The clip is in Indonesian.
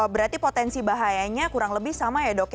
berarti potensi bahayanya kurang lebih sama ya dok ya